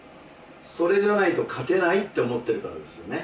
それじゃないと勝てないって思ってるからですよね。